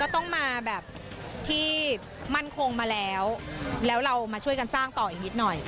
ต้องมาแบบที่มั่นคงมาแล้วแล้วเรามาช่วยกันสร้างต่ออีกนิดหน่อย